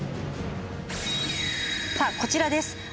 さあこちらです。